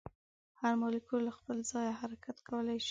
هر مالیکول له خپل ځایه حرکت کولی شي.